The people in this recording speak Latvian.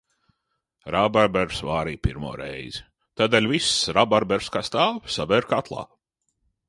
Rabarberus vārīja pirmo reizi, tādēļ visus rabarberus, kā stāv, sabēru katlā.